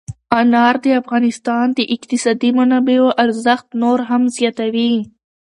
انار د افغانستان د اقتصادي منابعو ارزښت نور هم زیاتوي.